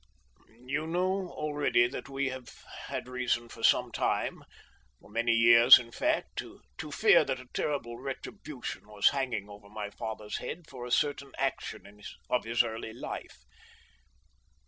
"You know already that we have had reason for some time for many years in fact to fear that a terrible retribution was hanging over my father's head for a certain action of his early life.